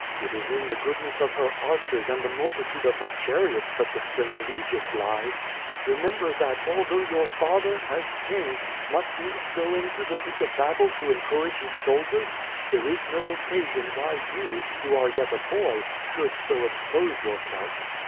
It is in the goodness of her archers and the multitude of her chariots that the strength of Egypt lies. Remember that although your father, as king, must needs go into the thick of the battle to encourage his soldiers, there is no occasion why you, who are yet a boy, should so expose yourself.